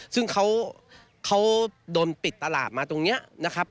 ซึ่งเขาโดนปิดตลาดมาตรงนี้นะครับ